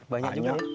banyak juga ya